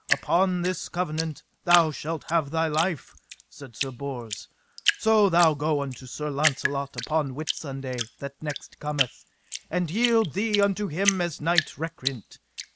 Upon this covenant thou shalt have thy life, said Sir Bors, so thou go unto Sir Launcelot upon Whitsunday that next cometh, and yield thee unto him as knight recreant.